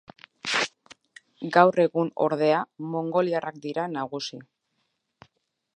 Gaur egun ordea mongoliarrak dira nagusi.